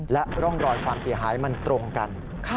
และร่องรอยความเสียหายมันตรงกัน